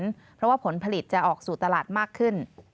เพราะว่าผลผลิตจะออกสู่ตลาดมากขึ้น